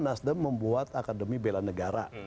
nasdem membuat akademi bela negara